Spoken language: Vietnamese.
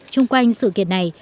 trung quanh sự kiện này